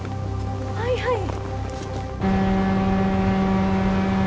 はいはい。